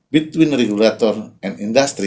antara regulator dan industri